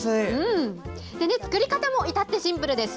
作り方も至ってシンプルです。